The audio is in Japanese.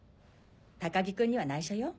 高木君には内緒よ。